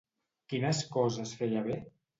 Quines coses feia bé?